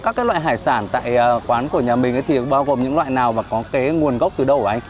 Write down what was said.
thì quán của nhà mình thì bao gồm những loại nào và có cái nguồn gốc từ đâu hả anh